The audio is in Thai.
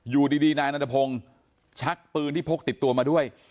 อยู่ดีนายนันทพงศ์ชักปืนที่พกติดตัวมาด้วย